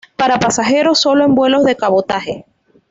Para pasajeros solo en vuelos de cabotaje.